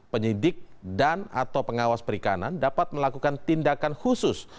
penyidik dan atau pengawas perikanan dapat melakukan tindakan khusus